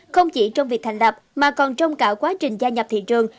không chỉ trong việc thành lập mà còn trong cả quá trình gia nhập thị trường